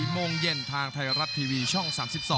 โมงเย็นทางไทยรัฐทีวีช่อง๓๒